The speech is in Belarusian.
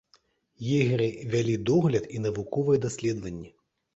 Егеры вялі догляд і навуковыя даследаванні.